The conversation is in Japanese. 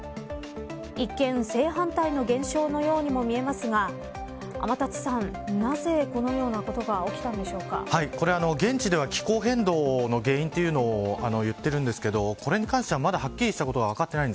一見、正反対の現象のようにもみえますが天達さん、なぜこのようなことがこれ、現地では気候変動の原因というのを言ってるんですけどこれに関しては、まだはっきりしたことが分かっていません。